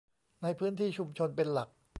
ในพื้นที่ชุมชนเป็นหลัก